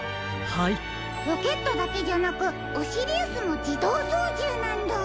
ロケットだけじゃなくオシリウスもじどうそうじゅうなんだ。